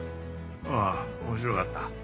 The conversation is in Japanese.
ああ面白かった。